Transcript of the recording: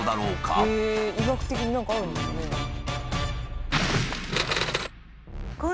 医学的に何かあるんですかね？